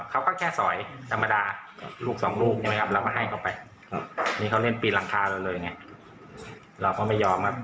เราก็ให้เขาไปครับนี่เขาเล่นปีนหลังคาเราเลยไงเราก็ไม่ยอมครับ